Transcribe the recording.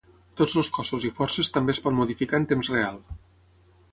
Tots els cossos i forces també es pot modificar en temps real.